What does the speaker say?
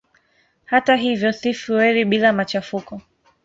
Hata hivyo si fueli bila machafuko.